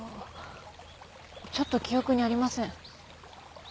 ちょっと記憶にありません。